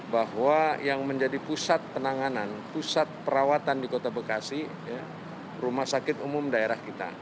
bahwa yang menjadi pusat penanganan pusat perawatan di kota bekasi rumah sakit umum daerah kita